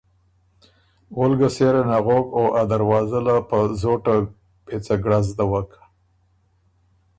اول ګه سېره نغوک او ا دروازه له په زوټه پېڅه ګړز دَوَک